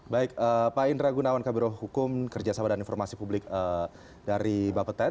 baik pak indra gunawan kabiruhukum kerjasama dan informasi publik dari bapak petain